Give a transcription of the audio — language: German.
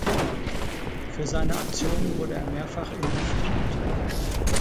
Für seine Aktionen wurde er mehrfach inhaftiert.